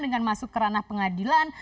dengan masuk ke ranah pengadilan